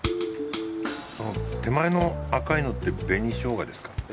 その手前の赤いのって紅生姜ですか？